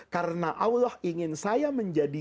karena allah ingin saya menjadi